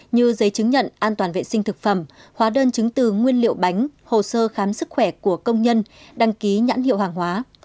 như giấy chứng nhận an toàn vệ sinh thực phẩm hóa đơn chứng từ nguyên liệu bánh hồ sơ khám sức khỏe của công nhân đăng ký nhãn hiệu hàng hóa